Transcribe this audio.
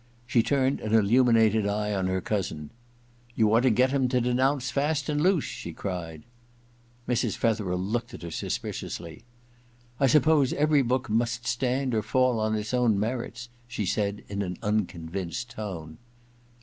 She turned an illuminated eye on her cousin. * You ought to get him to denounce " Fast and Loose "!' she cried. Mrs. Fetherel looked at her suspiciously. * I suppose every book must stand or fall on its own merits/ she said in an unconvinced tone.